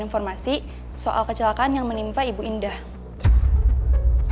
informasi soal kecelakaan yang menimpa ibu indah